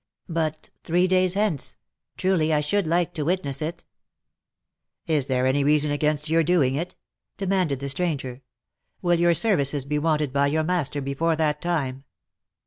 H But three days hence !— truly I should like to witness it !"" Is there any reason against your doing it ?" demanded the stran ger. " Will your services be wanted by your master before that time?"